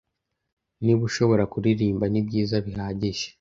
Niba ushobora kuririmba, nibyiza bihagije.